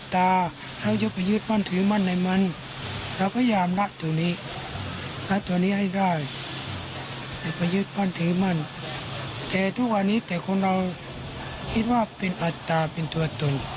แต่ทุกวันนี้แต่คนเราคิดว่าเป็นอัตราเป็นตัวตน